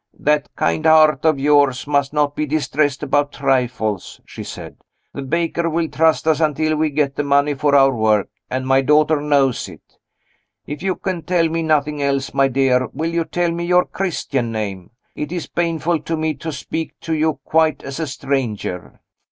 "That kind heart of yours must not be distressed about trifles," she said. "The baker will trust us until we get the money for our work and my daughter knows it. If you can tell me nothing else, my dear, will you tell me your Christian name? It is painful to me to speak to you quite as a stranger."